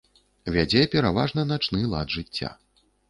Вядзе пераважна начны лад жыцця.